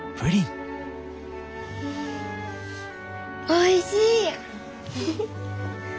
おいしい。